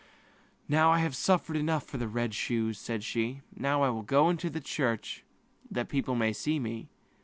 "Now, I have suffered enough for the red shoes," she said; "I will go to church, so that people can see me."